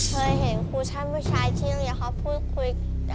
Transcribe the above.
เคยเห็นครูชันผู้ชายที่เกี่ยวเขาพูดคุยกันว่า